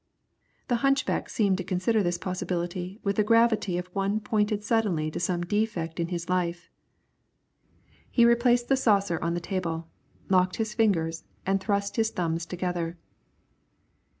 The hunchback seemed to consider this possibility with the gravity of one pointed suddenly to some defect in his life. He replaced the saucer on the table, locked his fingers and thrust his thumbs together.